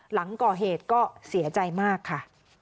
หลังก่อเหตุก็เสียใจมากค่ะ